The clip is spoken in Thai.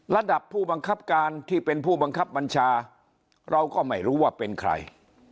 ระดับผู้บังคับการที่เป็นผู้บังคับบัญชาเราก็ไม่รู้ว่าเป็นใคร